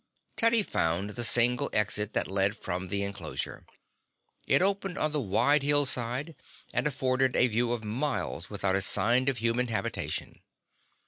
Teddy found the single exit that led from the inclosure. It opened on the wide hillside and afforded a view of miles without a sign of human habitation.